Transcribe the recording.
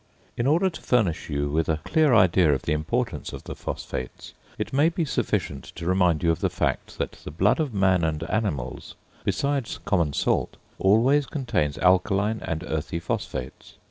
In order to furnish you with a clear idea of the importance of the phosphates, it may be sufficient to remind you of the fact, that the blood of man and animals, besides common salt, always contains alkaline and earthy phosphates.